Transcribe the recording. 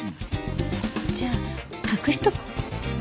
じゃあ隠しとこう。